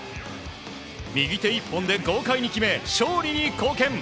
右手１本で豪快に決め勝利に貢献。